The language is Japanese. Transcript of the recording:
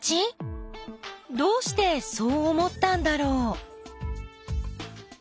どうしてそう思ったんだろう。